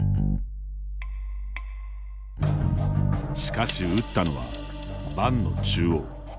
しかし打ったのは盤の中央。